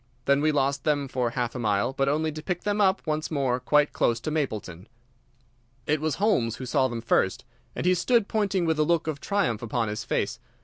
Then we lost them for half a mile, but only to pick them up once more quite close to Mapleton. It was Holmes who saw them first, and he stood pointing with a look of triumph upon his face.